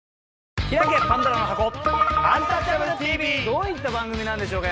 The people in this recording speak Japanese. どういった番組なんでしょうか？